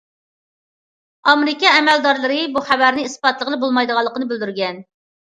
ئامېرىكا ئەمەلدارلىرى بۇ خەۋەرنى ئىسپاتلىغىلى بولمايدىغانلىقىنى بىلدۈرگەن.